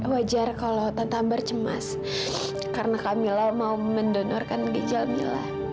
wajar kalau tante ambar cemas karena kamila mau mendonorkan ginjal mila